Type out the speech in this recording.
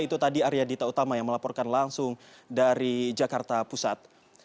itu tadi arya dita utama yang melaporkan langsung dari jakarta pusat